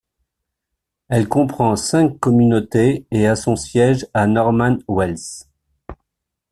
Elle comprend cinq communautés et a son siège à Norman Wells.